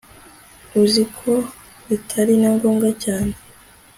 uzikobitari na ngombwa cyane